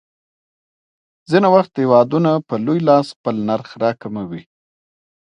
ځینې وخت هېوادونه لوی لاس خپل نرخ راکموي.